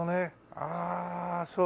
ああそうか。